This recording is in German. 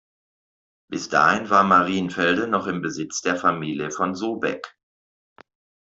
Bis dahin war Marienfelde noch im Besitz der Familie von Sobeck.